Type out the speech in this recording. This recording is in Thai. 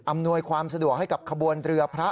อำนวยความสะดวกให้กับขบวนเรือพระ